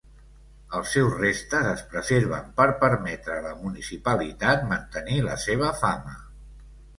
Els seus restes es preserven per permetre a la municipalitat mantenir la seva fama.